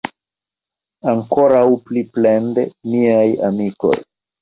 Ankoraŭ pli plende, miaj amikoj!